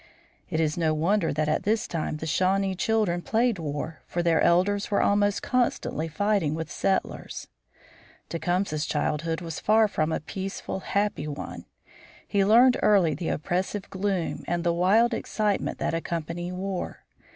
It is no wonder that at this time the Shawnee children played war; for their elders were almost constantly fighting with the settlers. Tecumseh's childhood was far from a peaceful, happy one. He learned early the oppressive gloom and the wild excitement that accompany war.